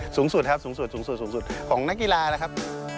สูงสุดครับสูงสุดสูงสุดของนักกีฬานะครับ